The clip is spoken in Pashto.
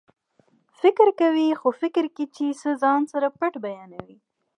فکر کوئ خو فکر کې چې څه ځان سره پټ بیانوي